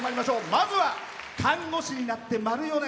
まずは、看護師になって丸４年。